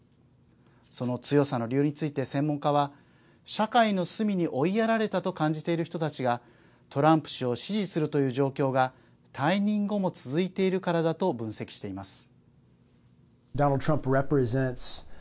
その強さの理由について専門家は社会の隅に追いやられたと感じている人たちがトランプ氏を支持するという状況が退任後も続いているからだと分析しています。